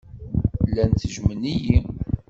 Llan ttejjmen-iyi.